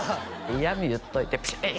嫌み言っといてピシッ！